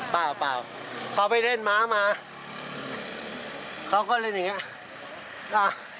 เปล่าเปล่าเขาไปเล่นม้ามาเขาก็เล่นอย่างเงี้ย